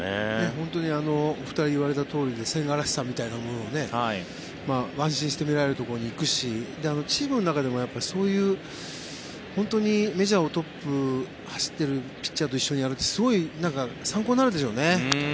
本当にお二人が言われたとおりで千賀らしさみたいなものを安心して見られるところに行くしチームの中でも本当にメジャートップを走っているピッチャーと一緒にやるってすごい参考になるんでしょうね。